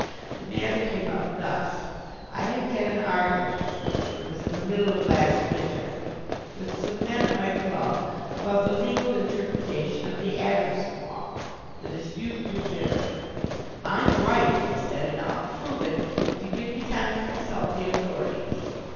The matter came up thus: I had had an argument it was in the middle of last winter with some men at my club about the legal interpretation of the Adamson Law. The dispute grew bitter. "I'm right," I said, "and I'll prove it if you give me time to consult the authorities."